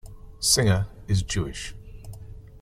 Singer is Jewish.